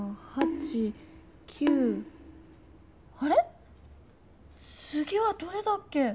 つぎはどれだっけ？